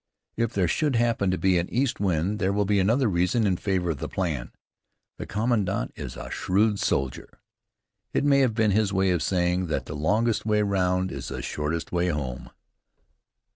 If there should happen to be an east wind, there will be another reason in favor of the plan. The commandant is a shrewd soldier. It may have been his way of saying that the longest way round is the shortest way home."